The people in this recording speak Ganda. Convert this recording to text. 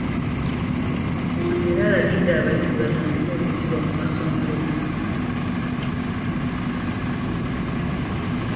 Ono era alagidde abayizi batandike okuggyibwa ku masomero